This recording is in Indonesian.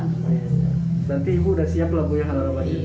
nanti ibu udah siap lakunya halaman banjir itu